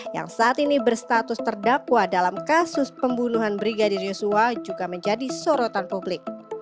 yang saat ini berstatus terdakwa dalam kasus pembunuhan brigadir yosua juga menjadi sorotan publik